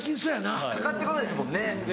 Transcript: かかって来ないですもんね。